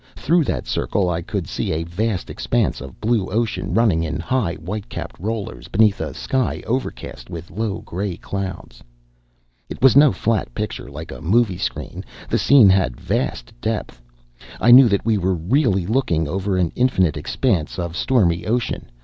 Through that circle I could see a vast expanse of blue ocean, running in high, white capped rollers, beneath a sky overcast with low gray clouds. It was no flat picture like a movie screen. The scene had vast depth; I knew that we were really looking over an infinite expanse of stormy ocean.